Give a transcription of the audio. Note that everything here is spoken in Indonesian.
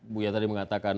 bu yata di mengatakan